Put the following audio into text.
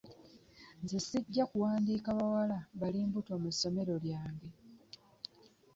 Nze sijja kuwandika bawala bali mbuto mu ssomero lyange.